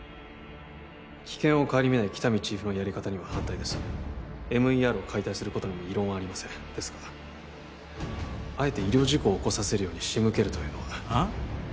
危険を顧みない喜多見チーフのやり方には反対ですＭＥＲを解体することにも異論はありませんですがあえて医療事故を起こさせるように仕向けるというのはああ？